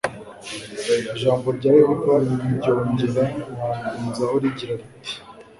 ijambo rya yehova ryongera kunzaho rigira riti